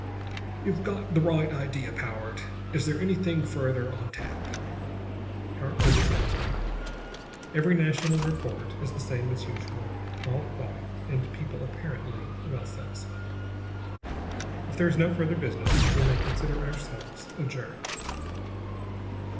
"You've got the right idea, Powart. Is there anything further on tap?" Powart put his notes away. "Every national report is the same as usual; all quiet, and people apparently well satisfied. "If there is no further business, we may consider ourselves adjourned."